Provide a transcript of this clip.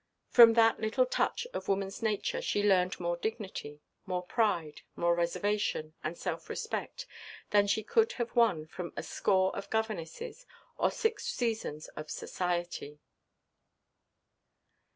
From that little touch of womanʼs nature she learned more dignity, more pride, more reservation, and self–respect, than she could have won from a score of governesses, or six seasons of "society."